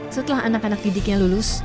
setelah anak anak didiknya lulus